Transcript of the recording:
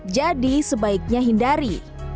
jadi sebaiknya hindari